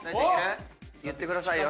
言ってくださいよ